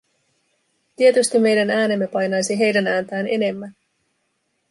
Tietysti meidän äänemme painaisi heidän ääntään enemmän.